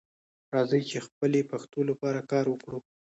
راځئ چې خپلې پښتو لپاره کار وکړو